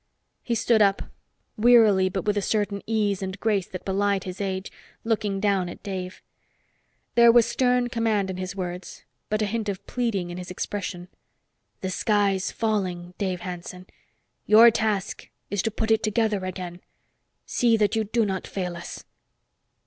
He stood up, wearily but with a certain ease and grace that belied his age, looking down at Dave. There was stern command in his words, but a hint of pleading in his expression. "The sky's falling, Dave Hanson. Your task is to put it together again. See that you do not fail us!"